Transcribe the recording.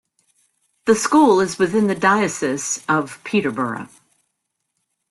The school is within the Diocese of Peterborough.